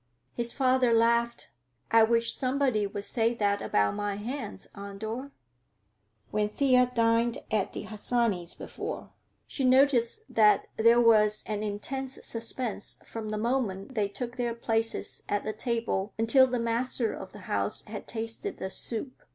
His father laughed. "I wish somebody would say that about my hands, Andor." When Thea dined at the Harsanyis before, she noticed that there was an intense suspense from the moment they took their places at the table until the master of the house had tasted the soup.